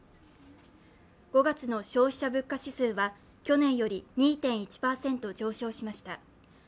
５月の全国の消費者物価指数は去年より２．１％上昇しました。